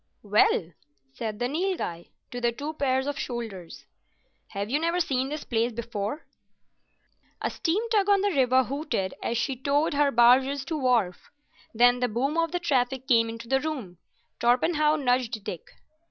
"Well," said the Nilghai to the two pairs of shoulders, "have you never seen this place before?" A steam tug on the river hooted as she towed her barges to wharf. Then the boom of the traffic came into the room. Torpenhow nudged Dick.